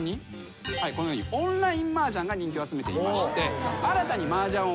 このようにオンラインマージャンが人気を集めていまして。